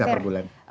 juta per bulan